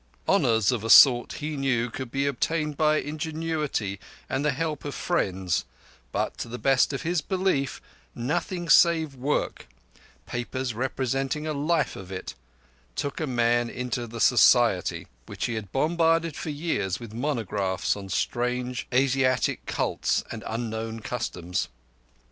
Honours of a sort he knew could be obtained by ingenuity and the help of friends, but, to the best of his belief, nothing save work—papers representing a life of it—took a man into the Society which he had bombarded for years with monographs on strange Asiatic cults and unknown customs.